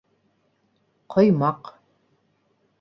Ҡоймаҡ